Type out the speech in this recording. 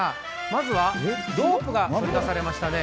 まずはロープが取り出されましたね。